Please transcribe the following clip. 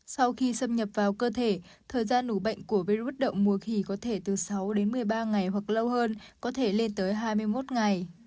sau khi xâm nhập vào cơ thể thời gian ủ bệnh của virus động mùa khỉ có thể từ sáu đến một mươi ba ngày hoặc lâu hơn có thể lên tới hai mươi một ngày